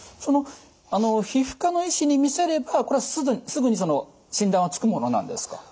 皮膚科の医師に見せればすぐに診断はつくものなんですか？